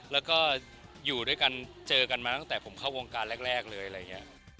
แล้วก็อยู่ด้วยกันเจอกันมาตั้งแต่ผมเข้าวงการแรกเลยอะไรอย่างนี้